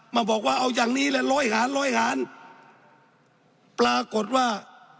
มาบอกว่าเอาอย่างนี้แหละร้อยหารร้อยหารปรากฏว่า